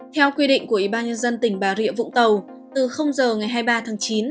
theo quy định của ủy ban nhân dân tỉnh bà rịa vũng tàu từ giờ ngày hai mươi ba tháng chín